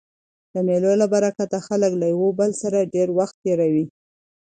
د مېلو له برکته خلک له یو بل سره ډېر وخت تېروي.